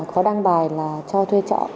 có đăng bài là cho thuê trọ